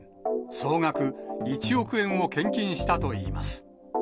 総額１億円を献金したといいます。